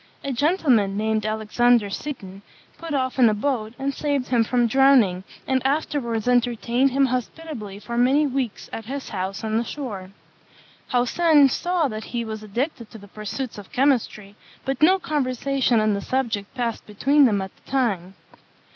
A gentleman, named Alexander Seton, put off in a boat, and saved him from drowning, and afterwards entertained him hospitably for many weeks at his house on the shore. Haussen saw that he was addicted to the pursuits of chemistry, but no conversation on the subject passed between them at the time.